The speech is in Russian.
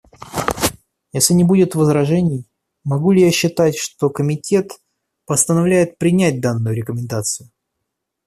Если не будет возражений, могу ли я считать, что Комитет постановляет принять данную рекомендацию?